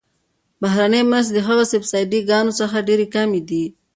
بهرنۍ مرستې د هغه سبسایډي ګانو څخه ډیرې کمې دي.